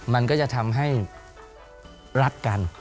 มันก็จะทำให้รักกัน